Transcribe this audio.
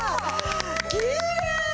きれい！